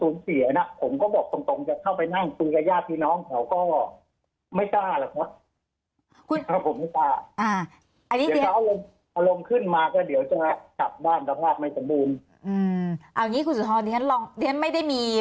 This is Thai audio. อืมเอาอย่างงี้คุณสุทรทีฉันลองทีฉันไม่ได้มี